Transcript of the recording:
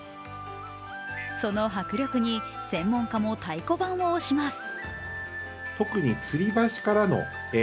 その迫力に専門家も太鼓判を押します。